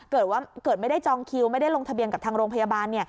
เกิดไม่ได้จองคิวไม่ได้ลงทะเบียนกับทางโรงพยาบาล